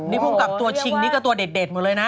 นี่ภูมิกับตัวชิงนี่ก็ตัวเด็ดหมดเลยนะ